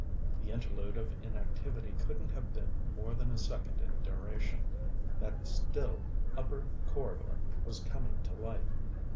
The interlude of inactivity couldn't have been more than a second in duration. That still, upper corridor was coming to life.